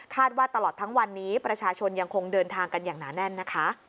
ว่าตลอดทั้งวันนี้ประชาชนยังคงเดินทางกันอย่างหนาแน่นนะคะ